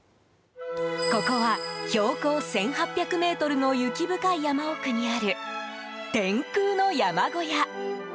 ここは標高１８００ｍの雪深い山奥にある天空の山小屋。